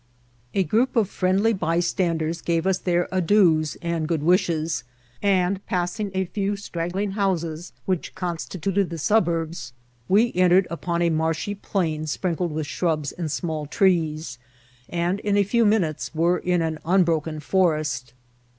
A group of friendly by standers gave us their adieus and good wishes ; and, passing a few straggling houses which constituted the suburbs, we entered upon a marshy plain sprinkled with shrubs and small trees, and in a few minutes were in an unbroken forest.